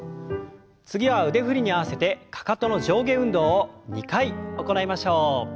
次は腕振りに合わせてかかとの上下運動を２回行いましょう。